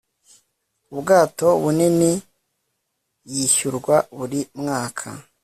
ubwato bunini yishyurwa buri mwaka